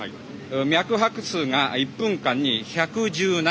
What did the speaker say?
脈拍数が１分間に１１７。